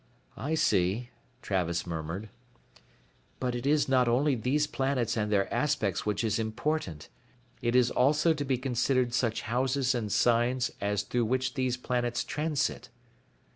"I see," Travis murmured. "But it is not only these planets and their aspects which is important, it is also to be considered such houses and signs as through which these planets transit...."